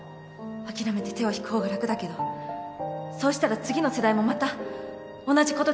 諦めて手を引く方が楽だけどそうしたら次の世代もまた同じことで苦しむことになる